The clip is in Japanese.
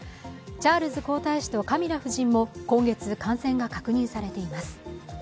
チャールズ皇太子とカミラ夫人も今月、感染が確認されています。